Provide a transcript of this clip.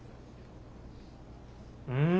うん。